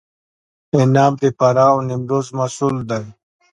عناب د فراه او نیمروز محصول دی.